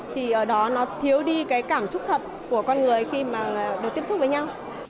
thì ở đó nó thiếu đi cái cảm xúc thật của con người khi mà được tiếp xúc với nhau